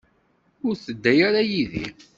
Ur tedda ara yid-i.